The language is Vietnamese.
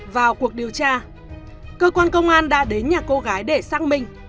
vào cuộc điều tra cơ quan công an đã đến nhà cô gái để xác minh